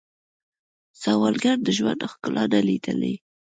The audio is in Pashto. سوالګر د ژوند ښکلا نه لیدلې